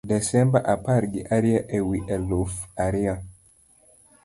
Desemba apargi ariyo e wi aluf ariyo: